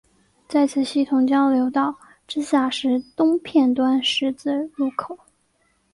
在此系统交流道之下是东片端十字路口。